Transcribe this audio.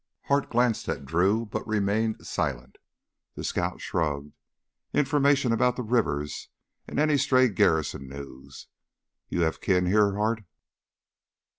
Hart glanced at Drew but remained silent. The scout shrugged. "Information about the rivers and any stray garrison news. You have kin here, Hart?"